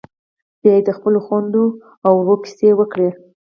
بيا یې د خپلو خويندو او ورور کيسې وکړې.